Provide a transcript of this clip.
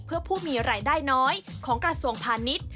เพื่อผู้มีรายได้น้อยของกระทรวงพาณิชย์